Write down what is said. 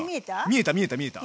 見えた見えた見えた。